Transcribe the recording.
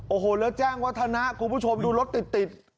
โอ้โหแล้วแจ้งวัฒนะคุณผู้ชมดูรถติด